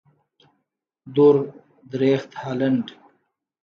دور درېخت هالنډ.